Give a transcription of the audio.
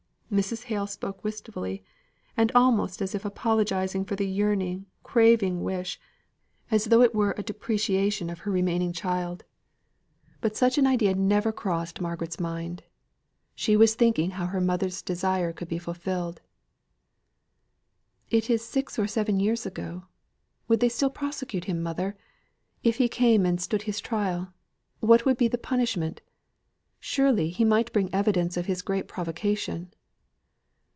Mrs. Hale spoke wistfully, and almost as if apologising for the yearning, craving wish, as though it were a depreciation of her remaining child. But such an idea never crossed Margaret's mind. She was thinking how her mother's desire could be fulfilled. "It is six or seven years ago would they still prosecute him, mother. If he came and stood his trial, what would be the punishment? Surely, he might bring evidence of his great provocation."